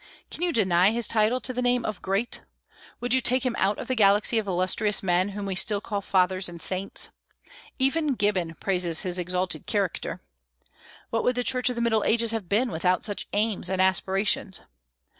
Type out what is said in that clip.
Can you deny his title to the name of Great? Would you take him out of the galaxy of illustrious men whom we still call Fathers and Saints? Even Gibbon praises his exalted character. What would the Church of the Middle Ages have been without such aims and aspirations?